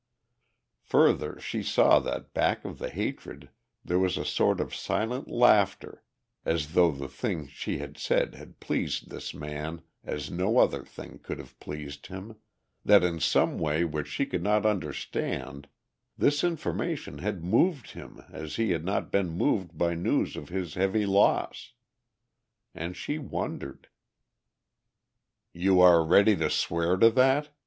Further, she saw that back of the hatred there was a sort of silent laughter as though the thing she had said had pleased this man as no other thing could have pleased him, that in some way which she could not understand, this information had moved him as he had not been moved by news of his heavy loss. And she wondered. "You are ready to swear to that?"